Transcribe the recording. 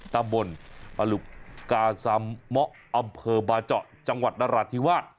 ตำบลปลุกกาซัมเมาะอำเภอบาเจาะจังหวัดนราธิวาส